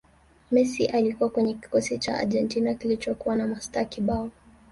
messi alikuwa kwenye kikosi cha argentina kilichokuwa na mastaa kibao